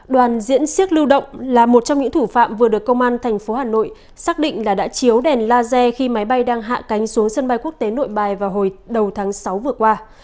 đoàn diễn siếc lưu động là một trong những thủ phạm vừa được công an thành phố hà nội xác định là đã chiếu đèn laser khi máy bay đang hạ cánh xuống sân bay quốc tế nội bài vào hồi đầu tháng sáu vừa qua